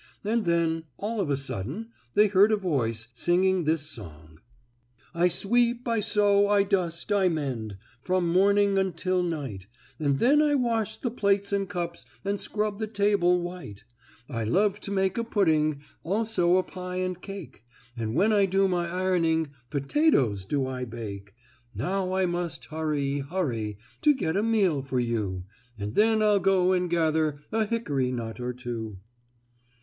And then, all of a sudden, they heard a voice singing this song: "I sweep, I sew, I dust, I mend, From morning until night. And then I wash the plates and cups. And scrub the table white. "I love to make a pudding, Also a pie and cake. And when I do my ironing, Potatoes do I bake. "Now I must hurry hurry, To get a meal for you, And then I'll go and gather A hickory nut or two."